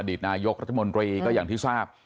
อดีตนายกรัฐมนต์เรย์ก็อย่างที่ทราบ